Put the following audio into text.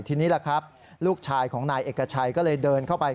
ทีนี้ล่ะครับลูกชายของนายเอกชัยก็เลยเดินเข้าไป